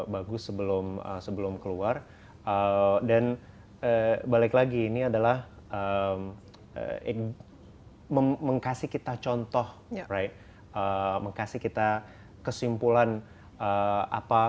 bagus sebelum sebelum keluar dan balik lagi ini adalah mengkasih kita contoh mengkasih kita kesimpulan apa